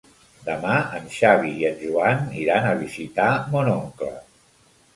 Demà en Xavi i en Joan iran a visitar mon oncle.